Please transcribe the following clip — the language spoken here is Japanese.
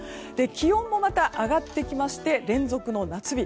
気温もまた上がってきまして連続の夏日。